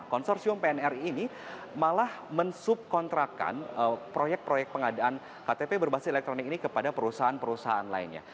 konsorsium pnri ini malah mensubkontrakan proyek proyek pengadaan ktp berbasis elektronik ini kepada perusahaan perusahaan lainnya